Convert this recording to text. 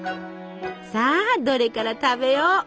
さあどれから食べよう。